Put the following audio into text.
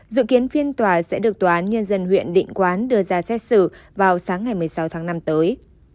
dự kiến phiên tòa sẽ được tòa án nhân dân huyện định quán đưa ra xét xử vào sáng ngày một mươi sáu tháng năm tới